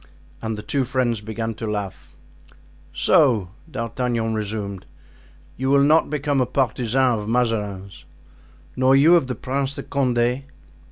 And the two friends began to laugh. "So," D'Artagnan resumed, "you will not become a partisan of Mazarin's?" "Nor you of the Prince de Condé?"